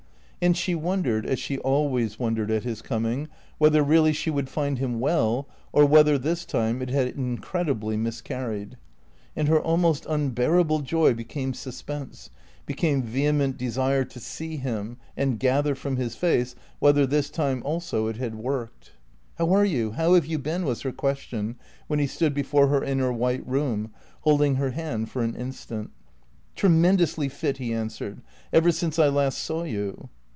And she wondered, as she always wondered at his coming, whether really she would find him well, or whether this time it had incredibly miscarried. And her almost unbearable joy became suspense, became vehement desire to see him and gather from his face whether this time also it had worked. "How are you? How have you been?" was her question when he stood before her in her white room, holding her hand for an instant. "Tremendously fit," he answered; "ever since I last saw you."